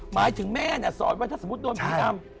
หมายถึงแม่สอนว่าถ้าสมมุติโดนผีดำ